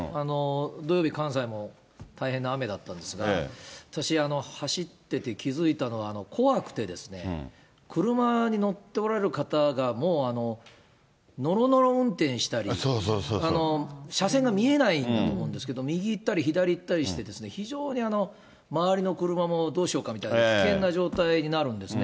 土曜日、関西も大変な雨だったんですが、私、走ってて気付いたのは、怖くてですね、車に乗っておられる方がもうのろのろ運転したり、車線が見えないんだと思うんですけど、右行ったり左行ったりしてですね、非常に周りの車もどうしようかみたいな、危険な状態になるんですね。